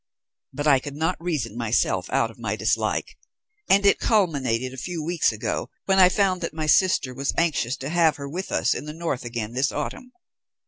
But I could not reason myself out of my dislike, and it culminated a few weeks ago when I found that my sister was anxious to have her with us in the North again this autumn.